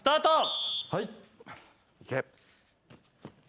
はい。